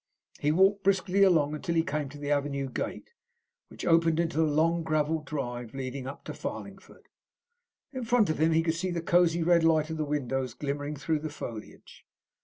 He walked briskly along until he came to the avenue gate, which opened into the long gravel drive leading up to Farlingford. In front of him he could see the cosy red light of the windows glimmering through the foliage.